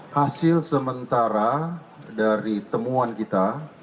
hasil sementara dari temuan kita